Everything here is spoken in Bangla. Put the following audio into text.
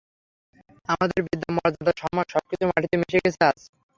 আমাদের বিদ্যা, মর্যাদা, সম্মান সবকিছু মাটিতে মিশে গেছে আজ।